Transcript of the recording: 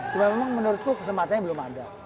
cuma memang menurutku kesempatannya belum ada